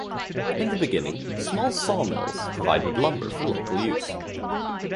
In the beginning, small saw mills provided lumber for local use.